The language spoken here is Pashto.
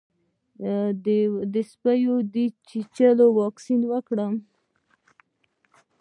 د سپي د چیچلو واکسین وکړم؟